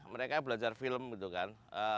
mereka belajar film gitu kan